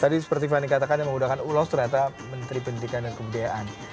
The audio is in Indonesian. tadi seperti fanny katakan yang menggunakan ulos ternyata menteri pendidikan dan kebudayaan